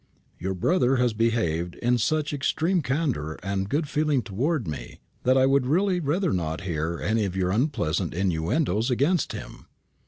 "Your brother has behaved with such extreme candour and good feeling towards me, that I would really rather not hear any of your unpleasant innuendoes against him.